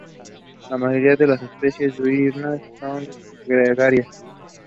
Rathi said that he knew that they were behind these from some clues.